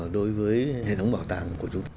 đối với hệ thống bảo tàng của chúng ta